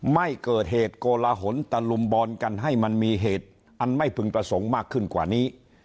ไม่เกิดเหตุโกลหนตะลุมบอลกันให้มันมีเหตุอันไม่พึงประสงค์มากขึ้นกว่านี้